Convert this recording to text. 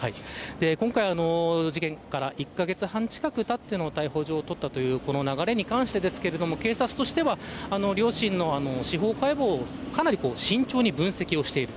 今回、事件から１カ月半近くたって逮捕状を取ったという流れですが警察としては両親の司法解剖をかなり慎重に分析している。